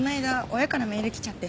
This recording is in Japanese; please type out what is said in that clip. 親からメール来ちゃってさ